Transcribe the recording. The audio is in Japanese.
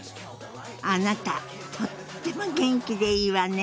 あなたとっても元気でいいわね！